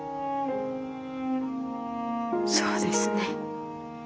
そうですね。